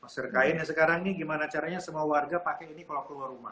masker kain yang sekarang ini gimana caranya semua warga pakai ini kalau keluar rumah